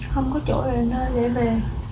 không có chỗ để nơi để về